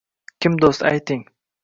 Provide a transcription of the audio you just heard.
Ким дўст айтинг